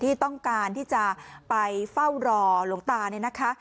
ที่ต้องการที่จะไปเฝ้ารอหลวงตาเนี่ยนะคะ